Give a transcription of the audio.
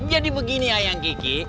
jadi begini ya yang kiki